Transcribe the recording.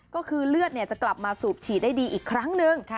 ก็คือเลือดจะกลับมาสูบฉีดได้ดีอีกครั้งหนึ่ง